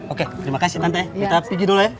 oke terima kasih tante ya kita pergi dulu ya